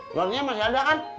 luarnya masih ada kan